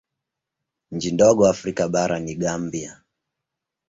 Nchi ndogo Afrika bara ni Gambia.